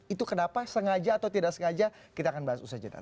itu kenapa sengaja atau tidak sengaja kita akan bahas usaha jeda